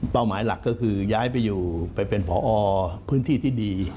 หมายหลักก็คือย้ายไปอยู่ไปเป็นผอพื้นที่ที่ดี